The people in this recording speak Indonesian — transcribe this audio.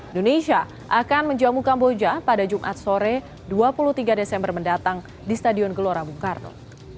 indonesia akan menjamu kamboja pada jumat sore dua puluh tiga desember mendatang di stadion gelora bung karno